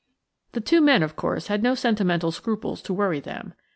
The two men, of course, had no sentimental scruples to worry them.